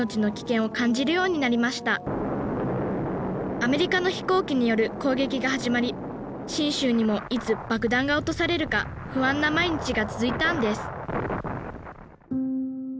アメリカの飛行機による攻撃が始まり信州にもいつ爆弾が落とされるか不安な毎日が続いたんです